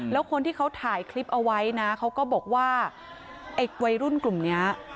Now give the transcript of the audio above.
แล้วคนที่เขาถ่ายคลิปเอาไว้นะเขาก็บอกว่าไอ้วัยรุ่นกลุ่มเนี้ย